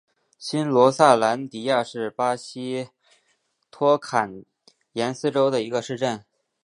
新罗萨兰迪亚是巴西托坎廷斯州的一个市镇。